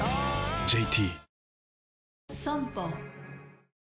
ＪＴ